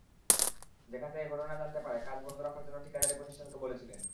সেখান থেকে ঘটনা জানতে পেরে কাজ বন্ধ রাখার জন্য ঠিকাদারি প্রতিষ্ঠানকে বলেছিলেন।